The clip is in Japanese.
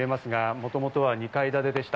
もともとは２階建てでした。